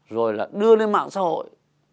rồi đưa lên mạng xã hội